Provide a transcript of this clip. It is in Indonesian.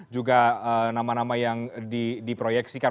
juga nama nama yang diproyeksikan